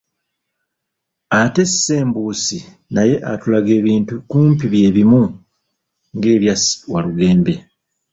Ate Ssembuusi naye atulaga ebintu kumpi bye bimu ng'ebya Walugembe.